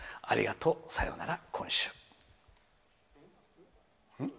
ありがとう、さようなら、今週。